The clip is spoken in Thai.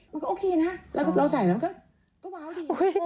มันก็โอเคนะแล้วก็เราใส่มันก็ว้าวดี